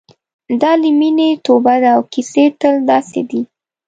دا له مینې توبه ده او کیسې تل داسې دي.